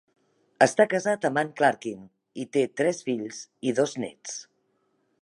Està casat amb Anne Clarkin i té tres fills i dos néts.